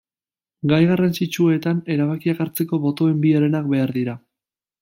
Gai garrantzitsuetan erabakiak hartzeko botoen bi herenak behar dira.